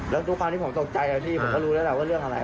แล้วทุกครั้งที่ผมตกใจพี่ผมก็รู้แล้วแหละว่าเรื่องอะไร